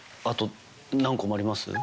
あと何個あります？